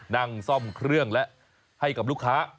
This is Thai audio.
นั่งซ่อมเครื่องและให้กับลูกค้า